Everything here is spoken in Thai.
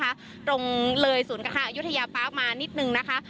จากตรงเลยศูนย์ค่ะอยุธยาป้าบมานิดนึงนะคะ